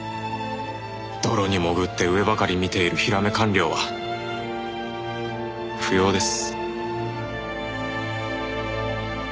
泥に潜って上ばかり見ているヒラメ官僚は不要です。